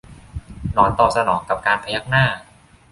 หนอนตอบสนองกับการพยักหน้า